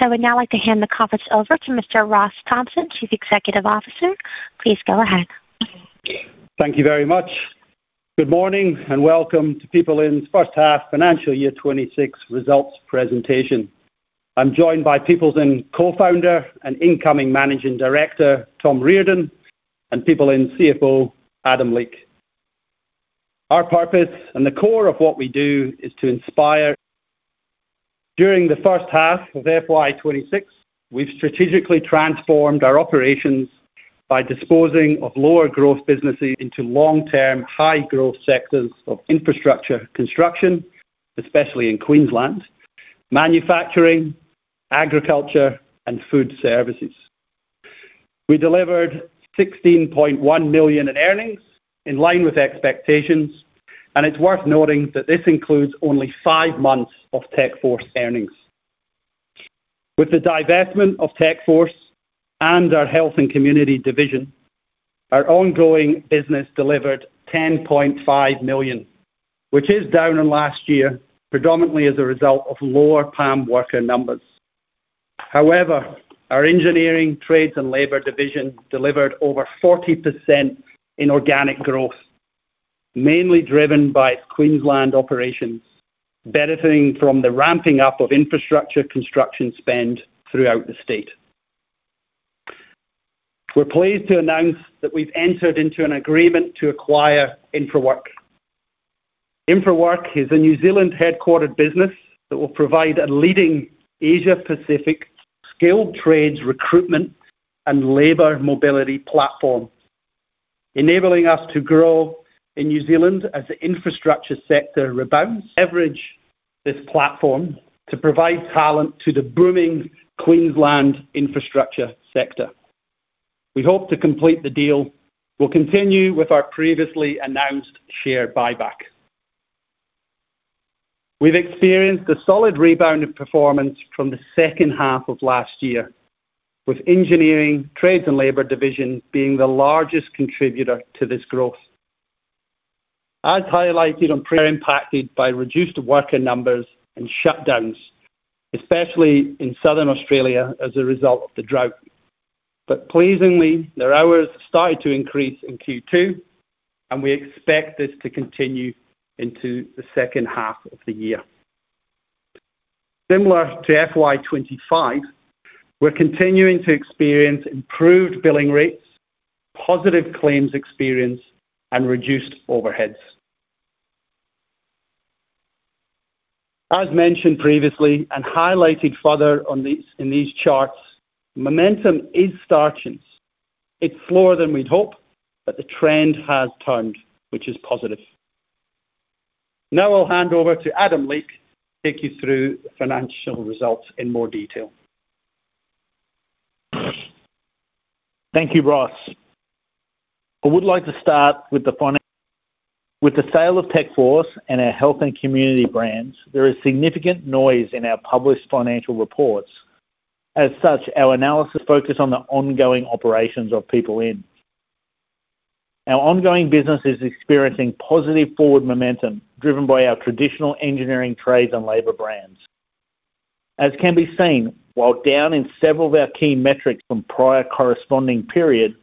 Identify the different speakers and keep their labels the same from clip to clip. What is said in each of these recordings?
Speaker 1: I would now like to hand the conference over to Mr. Ross Thompson, Chief Executive Officer. Please go ahead.
Speaker 2: Thank you very much. Good morning, and welcome to PeopleIN's first half financial year 2026 results presentation. I'm joined by PeopleIN cofounder and incoming Managing Director, Tom Reardon, and PeopleIN CFO, Adam Leake. Our purpose and the core of what we do is to inspire. During the first half of FY 2026, we've strategically transformed our operations by disposing of lower growth businesses into long-term, high-growth sectors of infrastructure construction, especially in Queensland, manufacturing, agriculture, and food services. We delivered 16.1 million in earnings, in line with expectations, and it's worth noting that this includes only 5 months of Techforce earnings. With the divestment of Techforce and our health and community division, our ongoing business delivered 10.5 million, which is down on last year, predominantly as a result of lower PALM worker numbers. However, our engineering, trades, and labor division delivered over 40% in organic growth, mainly driven by Queensland operations, benefiting from the ramping up of infrastructure construction spend throughout the state. We're pleased to announce that we've entered into an agreement to acquire Infrawork. Infrawork is a New Zealand headquartered business that will provide a leading Asia-Pacific skilled trades, recruitment, and labor mobility platform, enabling us to grow in New Zealand as the infrastructure sector rebounds, leverage this platform to provide talent to the booming Queensland infrastructure sector. We hope to complete the deal. We'll continue with our previously announced share buyback. We've experienced a solid rebound of performance from the second half of last year, with engineering, trades, and labor division being the largest contributor to this growth. As highlighted on...impacted by reduced worker numbers and shutdowns, especially in Southern Australia, as a result of the drought. But pleasingly, their hours started to increase in Q2, and we expect this to continue into the second half of the year. Similar to FY 2025, we're continuing to experience improved billing rates, positive claims experience, and reduced overheads. As mentioned previously and highlighted further on these, in these charts, momentum is starting. It's slower than we'd hope, but the trend has turned, which is positive. Now I'll hand over to Adam Leake to take you through the financial results in more detail.
Speaker 3: Thank you, Ross. I would like to start with the finance. With the sale of Techforce and our health and community brands, there is significant noise in our published financial reports. As such, our analysis focus on the ongoing operations of PeopleIN. Our ongoing business is experiencing positive forward momentum, driven by our traditional engineering, trades, and labor brands. As can be seen, while down in several of our key metrics from prior corresponding periods,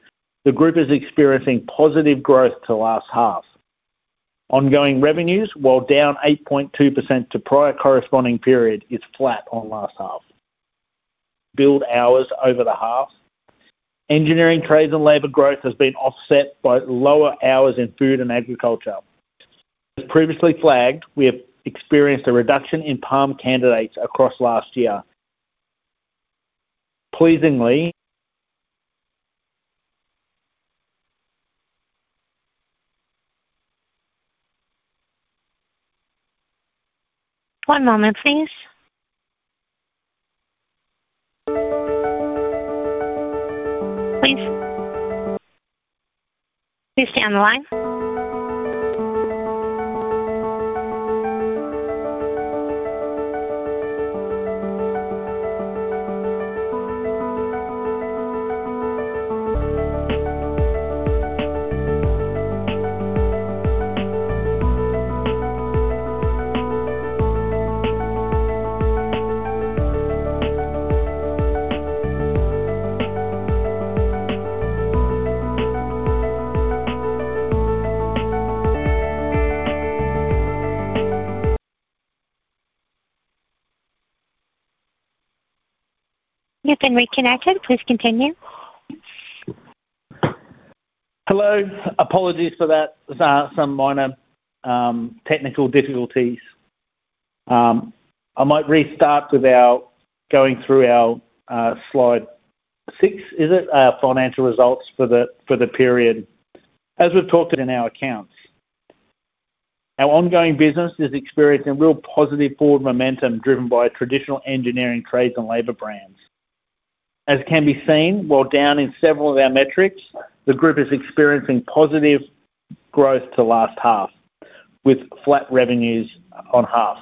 Speaker 3: the group is experiencing positive growth to last half. Ongoing revenues, while down 8.2% to prior corresponding period, is flat on last half. Billed hours over the half. Engineering, trades, and labor growth has been offset by lower hours in food and agriculture. As previously flagged, we have experienced a reduction in PALM candidates across last year. Pleasingly-
Speaker 1: One moment, please. Please. Please stay on the line. You've been reconnected. Please continue.
Speaker 3: Hello. Apologies for that. There's some minor technical difficulties. I might restart without going through our slide six, is it? Our financial results for the period. As we've talked in our accounts, our ongoing business is experiencing real positive forward momentum, driven by traditional engineering, trades, and labor brands. As can be seen, while down in several of our metrics, the group is experiencing positive growth to last half, with flat revenues on half.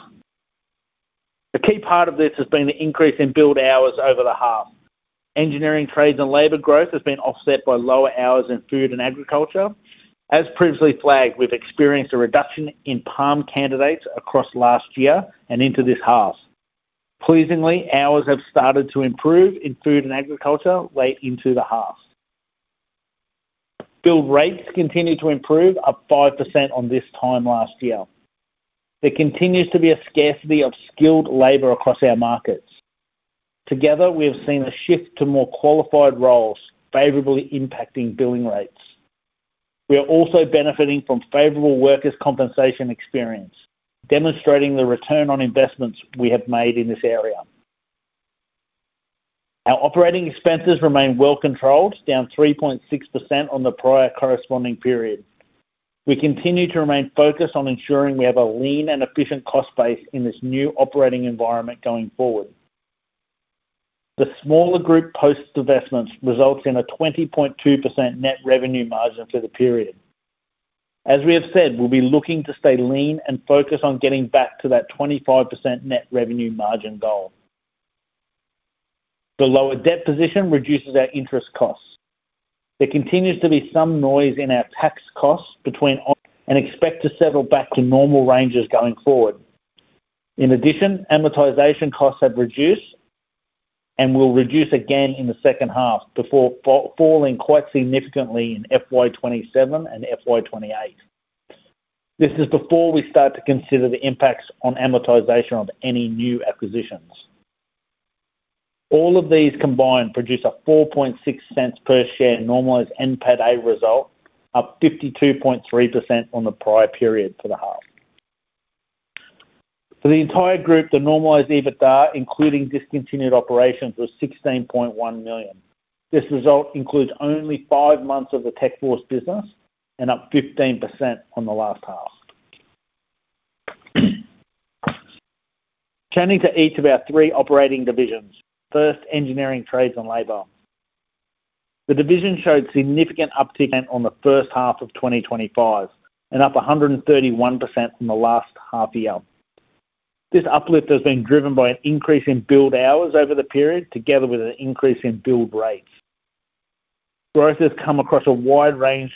Speaker 3: The key part of this has been the increase in billed hours over the half. Engineering trades and labor growth has been offset by lower hours in food and agriculture. As previously flagged, we've experienced a reduction in PALM candidates across last year and into this half. Pleasingly, hours have started to improve in food and agriculture late into the half. Bill rates continue to improve, up 5% on this time last year. There continues to be a scarcity of skilled labor across our markets. Together, we have seen a shift to more qualified roles, favorably impacting billing rates. We are also benefiting from favorable workers' compensation experience, demonstrating the return on investments we have made in this area. Our operating expenses remain well controlled, down 3.6% on the prior corresponding period. We continue to remain focused on ensuring we have a lean and efficient cost base in this new operating environment going forward. The smaller group post divestments results in a 20.2% net revenue margin for the period. As we have said, we'll be looking to stay lean and focused on getting back to that 25% net revenue margin goal. The lower debt position reduces our interest costs. There continues to be some noise in our tax costs between, and expect to settle back to normal ranges going forward. In addition, amortization costs have reduced, and will reduce again in the second half before falling quite significantly in FY 2027 and FY 2028. This is before we start to consider the impacts on amortization of any new acquisitions. All of these combined produce a 0.046 per share normalized NPATA result, up 52.3% on the prior period for the half. For the entire group, the normalized EBITDA, including discontinued operations, was 16.1 million. This result includes only five months of the Techforce business and up 15% on the last half. Turning to each of our three operating divisions. First, engineering, trades, and labor. The division showed significant uptick on the first half of 2025, and up 131% from the last half year. This uplift has been driven by an increase in billed hours over the period, together with an increase in billed rates. Growth has come across a wide range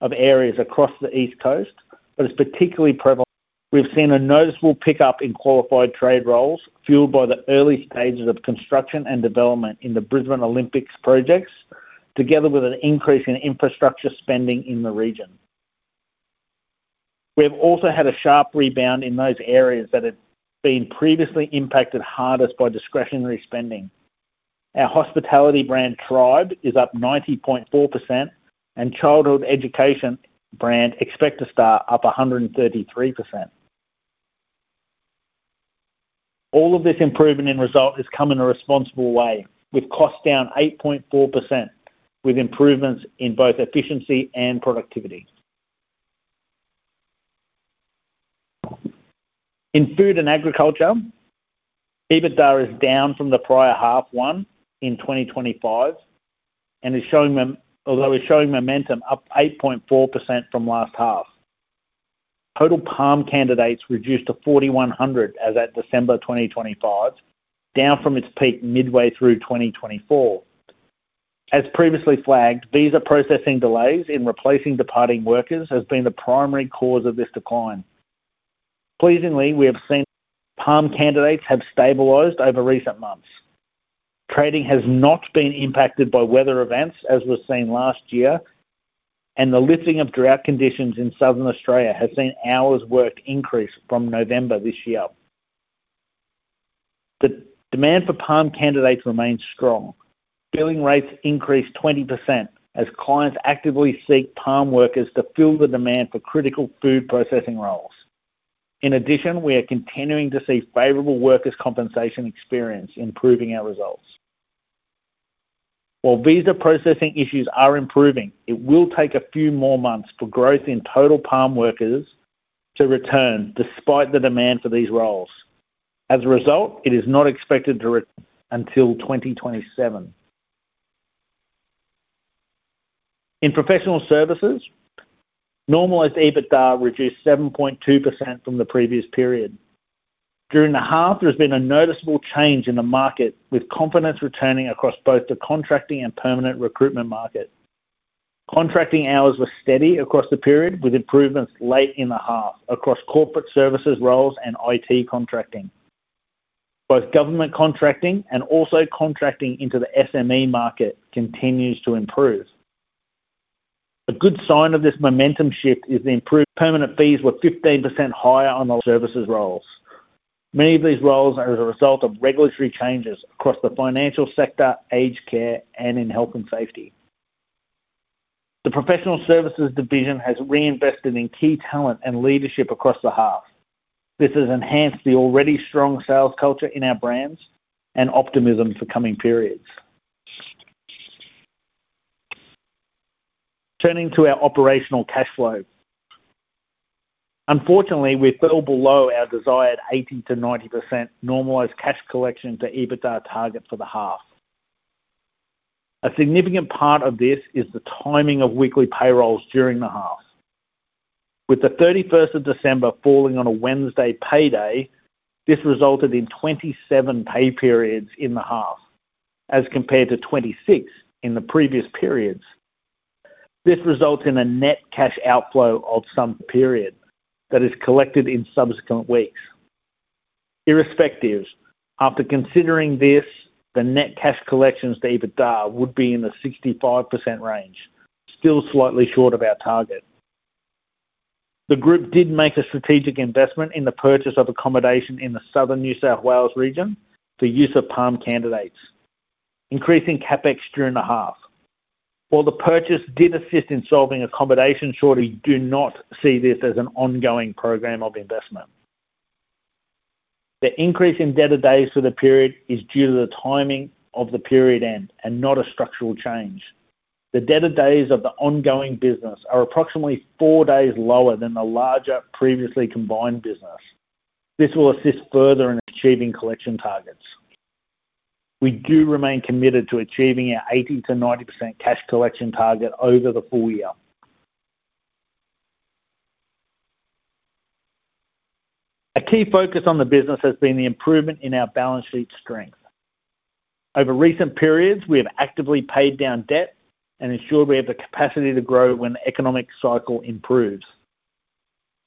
Speaker 3: of areas across the East Coast, but it's particularly prevalent. We've seen a noticeable pickup in qualified trade roles, fueled by the early stages of construction and development in the Brisbane Olympics projects, together with an increase in infrastructure spending in the region. We have also had a sharp rebound in those areas that had been previously impacted hardest by discretionary spending. Our hospitality brand, Tribe, is up 90.4%, and childhood education brand Expect A Star, up 133%. All of this improvement in result has come in a responsible way, with costs down 8.4%, with improvements in both efficiency and productivity. In food and agriculture, EBITDA is down from the prior H1 in 2025 and is showing, although showing momentum up 8.4% from last half. Total PALM candidates reduced to 4,100 as at December 2025, down from its peak midway through 2024. As previously flagged, visa processing delays in replacing departing workers has been the primary cause of this decline. Pleasingly, we have seen PALM candidates have stabilized over recent months. Trading has not been impacted by weather events, as was seen last year, and the lifting of drought conditions in Southern Australia has seen hours worked increase from November this year. The demand for PALM candidates remains strong. Billing rates increased 20% as clients actively seek PALM workers to fill the demand for critical food processing roles. In addition, we are continuing to see favorable workers' compensation experience improving our results. While visa processing issues are improving, it will take a few more months for growth in total PALM workers to return despite the demand for these roles. As a result, it is not expected to re... until 2027. In professional services, normalized EBITDA reduced 7.2% from the previous period. During the half, there has been a noticeable change in the market, with confidence returning across both the contracting and permanent recruitment market. Contracting hours were steady across the period, with improvements late in the half across corporate services roles and IT contracting. Both government contracting and also contracting into the SME market continues to improve. A good sign of this momentum shift is the improved permanent fees were 15% higher on the services roles. Many of these roles are as a result of regulatory changes across the financial sector, aged care, and in health and safety. The professional services division has reinvested in key talent and leadership across the half. This has enhanced the already strong sales culture in our brands and optimism for coming periods. Turning to our operational cash flow. Unfortunately, we fell below our desired 80%-90% normalized cash collection to EBITDA target for the half. A significant part of this is the timing of weekly payrolls during the half. With the 31st of December falling on a Wednesday payday, this resulted in 27 pay periods in the half, as compared to 26 in the previous periods. This results in a net cash outflow of some period that is collected in subsequent weeks. Irrespective, after considering this, the net cash collections to EBITDA would be in the 65% range, still slightly short of our target. The group did make a strategic investment in the purchase of accommodation in the Southern New South Wales region for use of PALM candidates, increasing CapEx during the half. While the purchase did assist in solving accommodation shortage, do not see this as an ongoing program of investment. The increase in debtor days for the period is due to the timing of the period end and not a structural change. The debtor days of the ongoing business are approximately four days lower than the larger previously combined business. This will assist further in achieving collection targets. We do remain committed to achieving our 80%-90% cash collection target over the full year. A key focus on the business has been the improvement in our balance sheet strength. Over recent periods, we have actively paid down debt and ensured we have the capacity to grow when the economic cycle improves.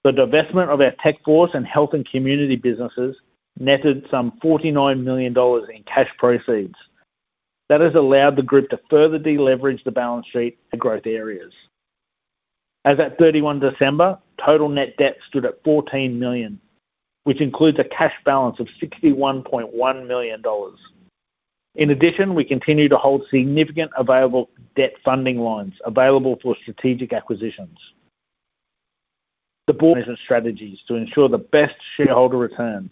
Speaker 3: The divestment of our Techforce and health and community businesses netted some 49 million dollars in cash proceeds. That has allowed the group to further deleverage the balance sheet to growth areas. As at 31 December, total net debt stood at 14 million, which includes a cash balance of 61.1 million dollars. In addition, we continue to hold significant available debt funding lines available for strategic acquisitions. The board has strategies to ensure the best shareholder returns.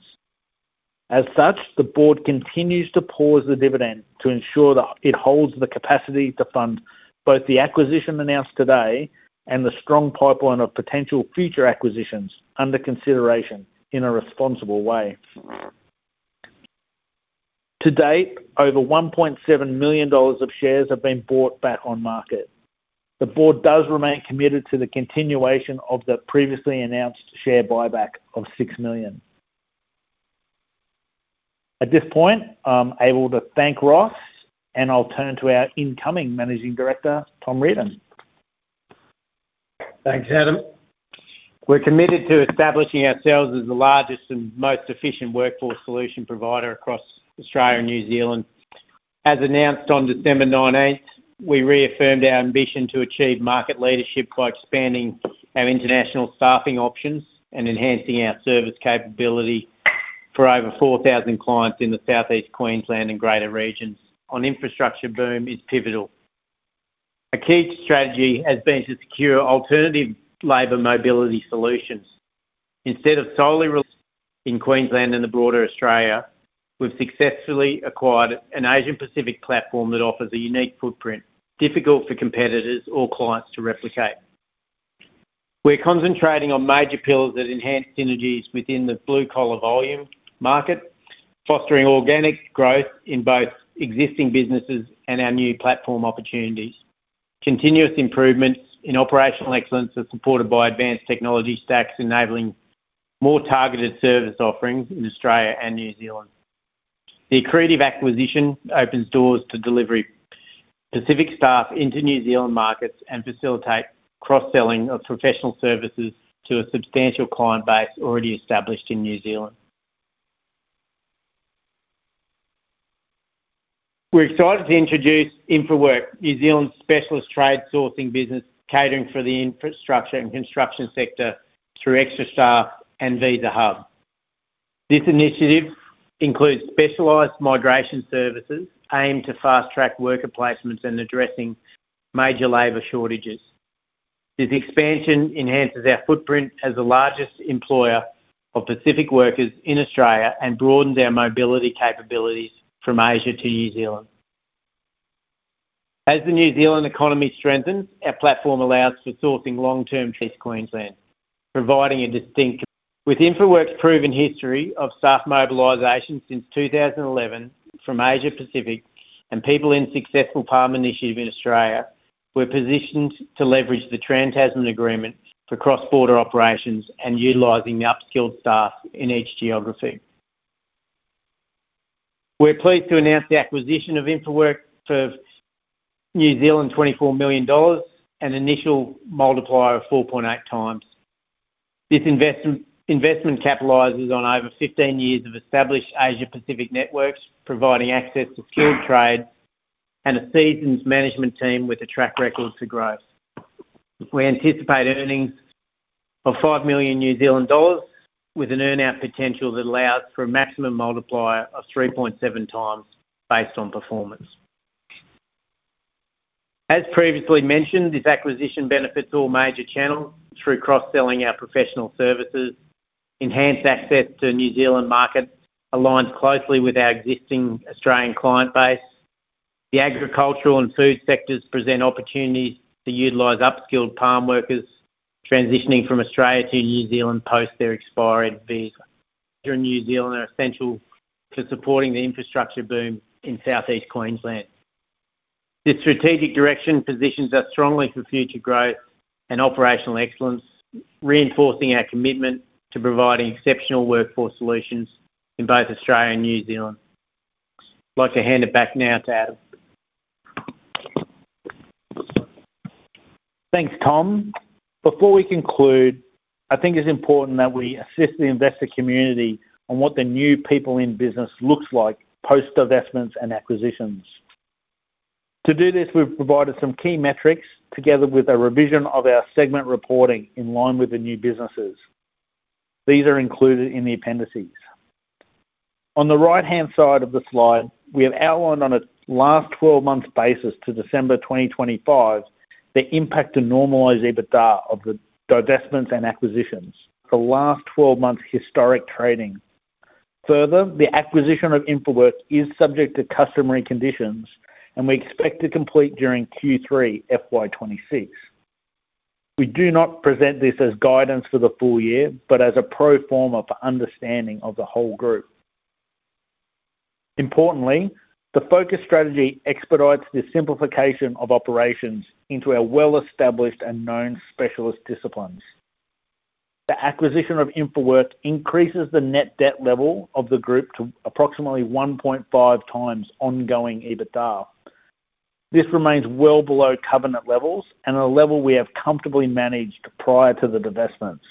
Speaker 3: As such, the board continues to pause the dividend to ensure that it holds the capacity to fund both the acquisition announced today and the strong pipeline of potential future acquisitions under consideration in a responsible way. To date, over 1.7 million dollars of shares have been bought back on market. The board does remain committed to the continuation of the previously announced share buyback of 6 million. At this point, I'm able to thank Ross, and I'll turn to our incoming managing director, Tom Reardon.
Speaker 4: Thanks, Adam. We're committed to establishing ourselves as the largest and most efficient workforce solution provider across Australia and New Zealand. As announced on December nineteenth, we reaffirmed our ambition to achieve market leadership by expanding our international staffing options and enhancing our service capability for over 4,000 clients in the South East Queensland and greater regions. The infrastructure boom is pivotal. A key strategy has been to secure alternative labor mobility solutions. Instead of solely in Queensland and the broader Australia, we've successfully acquired an Asia-Pacific platform that offers a unique footprint, difficult for competitors or clients to replicate. We're concentrating on major pillars that enhance synergies within the blue-collar volume market, fostering organic growth in both existing businesses and our new platform opportunities. Continuous improvements in operational excellence are supported by advanced technology stacks, enabling more targeted service offerings in Australia and New Zealand. The accretive acquisition opens doors to delivering Pacific staff into New Zealand markets and facilitating cross-selling of professional services to a substantial client base already established in New Zealand. We're excited to introduce Infrawork, New Zealand's specialist trade sourcing business, catering for the infrastructure and construction sector through Extrastaff and Visa Hub. This initiative includes specialized migration services aimed at fast-tracking worker placements and addressing major labor shortages. This expansion enhances our footprint as the largest employer of Pacific workers in Australia and broadens our mobility capabilities from Asia to New Zealand. As the New Zealand economy strengthens, our platform allows for sourcing long-term Pacific Queensland, providing a distinct... With Infrawork's proven history of staff mobilization since 2011 from Asia-Pacific and PeopleIN's successful PALM initiative in Australia, we're positioned to leverage the Trans-Tasman Agreement for cross-border operations and utilizing the upskilled staff in each geography. We're pleased to announce the acquisition of Infrawork for New Zealand, 24 million New Zealand dollars, an initial multiplier of 4.8x. This investment capitalizes on over 15 years of established Asia-Pacific networks, providing access to skilled trade and a seasoned management team with a track record to growth. We anticipate earnings of 5 million New Zealand dollars, with an earn-out potential that allows for a maximum multiplier of 3.7x, based on performance. As previously mentioned, this acquisition benefits all major channels through cross-selling our professional services, enhanced access to New Zealand markets, aligns closely with our existing Australian client base. The agricultural and food sectors present opportunities to utilize upskilled PALM workers transitioning from Australia to New Zealand post their expired visa. During New Zealand are essential to supporting the infrastructure boom in Southeast Queensland.... The strategic direction positions us strongly for future growth and operational excellence, reinforcing our commitment to providing exceptional workforce solutions in both Australia and New Zealand. I'd like to hand it back now to Adam.
Speaker 3: Thanks, Tom. Before we conclude, I think it's important that we assist the investor community on what the new PeopleIN business looks like, post divestments and acquisitions. To do this, we've provided some key metrics, together with a revision of our segment reporting in line with the new businesses. These are included in the appendices. On the right-hand side of the slide, we have outlined on a last 12-month basis to December 2025, the impact to normalize EBITDA of the divestments and acquisitions. The last 12 months historic trading. Further, the acquisition of Infrawork is subject to customary conditions, and we expect to complete during Q3 FY 2026. We do not present this as guidance for the full year, but as a pro forma for understanding of the whole group. Importantly, the focus strategy expedites the simplification of operations into a well-established and known specialist disciplines. The acquisition of Infrawork increases the net debt level of the group to approximately 1.5 times ongoing EBITDA. This remains well below covenant levels and a level we have comfortably managed prior to the divestments.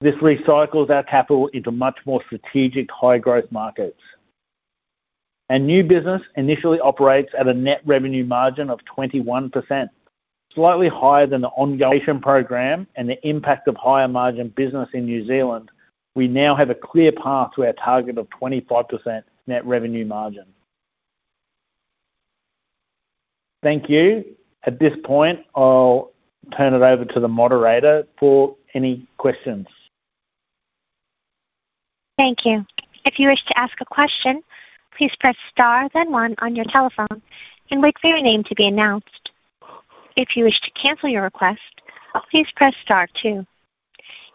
Speaker 3: This recycles our capital into much more strategic, high-growth markets. A new business initially operates at a net revenue margin of 21%, slightly higher than the ongoing program and the impact of higher margin business in New Zealand. We now have a clear path to our target of 25% net revenue margin. Thank you. At this point, I'll turn it over to the moderator for any questions.
Speaker 1: Thank you. If you wish to ask a question, please press star, then one on your telephone and wait for your name to be announced. If you wish to cancel your request, please press star two.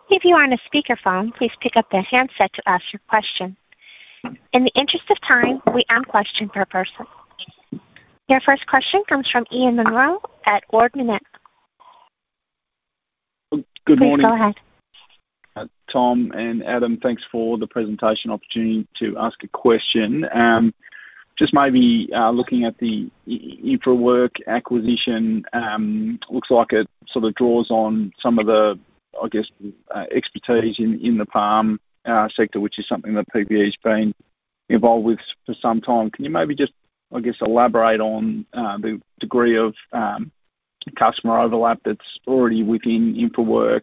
Speaker 1: If you are on a speakerphone, please pick up the handset to ask your question. In the interest of time, we one question per person. Your first question comes from Ian Munro at Ord Minnett.
Speaker 5: Good morning-
Speaker 1: Please go ahead.
Speaker 5: Tom and Adam, thanks for the presentation opportunity to ask a question. Just maybe looking at the Infrawork acquisition, looks like it sort of draws on some of the, I guess, expertise in the PALM sector, which is something that PeopleIN's been involved with for some time. Can you maybe just, I guess, elaborate on the degree of customer overlap that's already within Infrawork?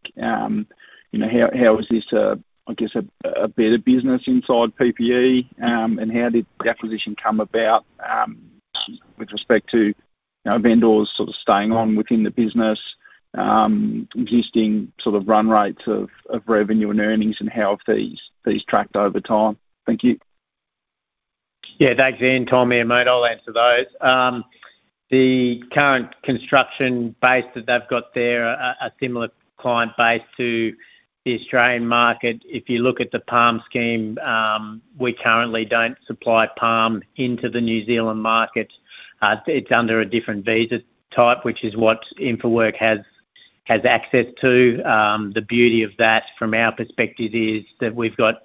Speaker 5: You know, how is this, I guess, a better business inside PeopleIN? And how did the acquisition come about, with respect to, you know, vendors sort of staying on within the business, existing sort of run rates of revenue and earnings, and how have these tracked over time? Thank you.
Speaker 4: Yeah, thanks, Ian. Tom here, mate, I'll answer those. The current construction base that they've got there are a similar client base to the Australian market. If you look at the PALM scheme, we currently don't supply PALM into the New Zealand market. It's under a different visa type, which is what Infrawork has access to. The beauty of that, from our perspective, is that we've got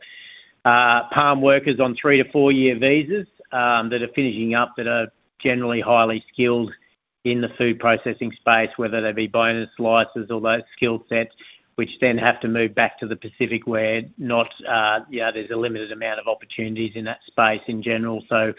Speaker 4: PALM workers on 3-4-year visas that are finishing up, that are generally highly skilled in the food processing space. Whether they be boners, slicers or those skill sets, which then have to move back to the Pacific, where not, there's a limited amount of opportunities in that space in general. So,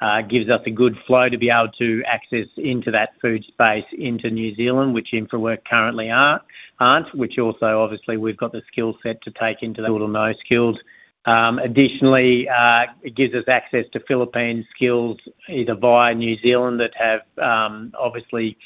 Speaker 4: it gives us a good flow to be able to access into that food space into New Zealand, which Infrawork currently are, aren't, which also obviously we've got the skill set to take into the little no skills. Additionally, it gives us access to Philippine skills, either via New Zealand that have obviously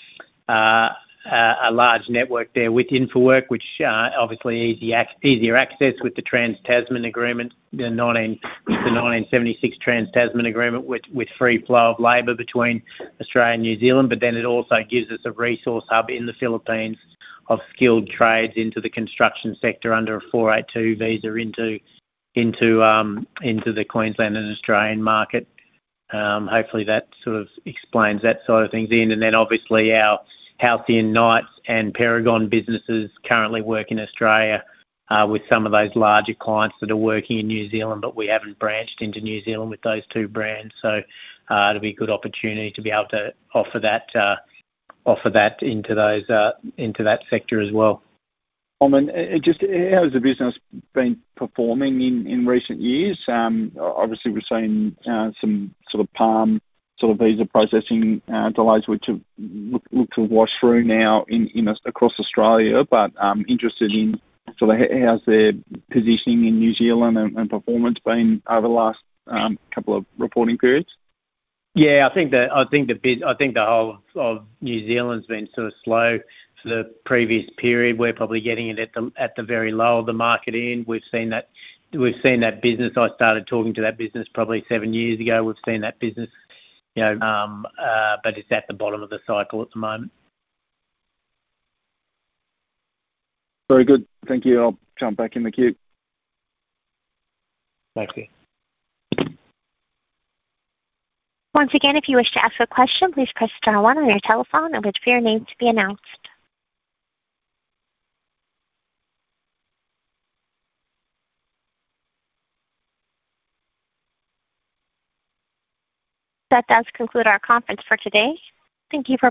Speaker 4: a large network there with Infrawork, which obviously easier access with the Trans-Tasman Agreement, the 1976 Trans-Tasman Agreement, with free flow of labor between Australia and New Zealand. But then it also gives us a resource hub in the Philippines of skilled trades into the construction sector under a 482 visa into the Queensland and Australian market. Hopefully, that sort of explains that side of things, Ian, and then obviously, our Halcyon Knights and Paragon businesses currently work in Australia, with some of those larger clients that are working in New Zealand, but we haven't branched into New Zealand with those two brands. So, it'll be a good opportunity to be able to offer that, offer that into those, into that sector as well.
Speaker 5: Just how has the business been performing in recent years? Obviously, we're seeing some sort of PALM, sort of visa processing delays, which look to wash through now across Australia, but I'm interested in sort of how's their positioning in New Zealand and performance been over the last couple of reporting periods?
Speaker 4: Yeah, I think the whole of New Zealand's been sort of slow for the previous period. We're probably getting it at the very low of the market end. We've seen that business. I started talking to that business probably seven years ago. We've seen that business, you know, but it's at the bottom of the cycle at the moment.
Speaker 5: Very good. Thank you. I'll jump back in the queue.
Speaker 4: Thank you.
Speaker 1: Once again, if you wish to ask a question, please press star one on your telephone and wait for your name to be announced. That does conclude our conference for today. Thank you for participating.